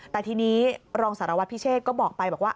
แต่ทีนี้รองสารวัตรพิเชษก็บอกไปบอกว่า